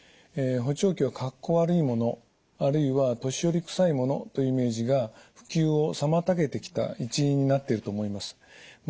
補聴器をかっこ悪いものあるいは年寄りくさいものというイメージが普及を妨げてきた一因になっていると思います。